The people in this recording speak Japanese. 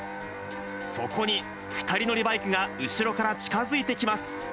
そこに２人乗りバイクが後ろから近づいてきます。